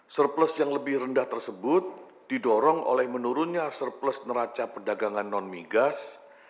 surplus yang lebih rendah tersebut didorong oleh menurunnya surplus neraca perdagangan non migas